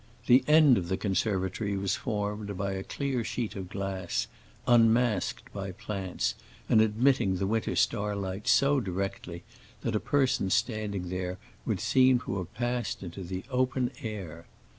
The end of the conservatory was formed by a clear sheet of glass, unmasked by plants, and admitting the winter starlight so directly that a person standing there would seem to have passed into the open air.